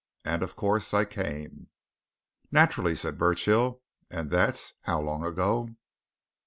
And, of course, I came." "Naturally," said Burchill. "And that's how long ago?"